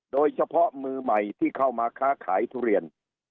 โดยเฉพาะมือใหม่ที่เข้ามาค้าขายทุเรียน